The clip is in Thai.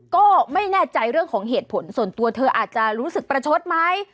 ก็ไม่แน่ใจเรื่องของเหตุผลส่วนตัวเธออาจจะรู้สึกประชดไหม